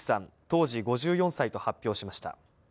当時５４歳と発表しました。